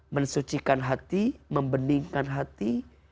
mensucikan hati membeningkan hati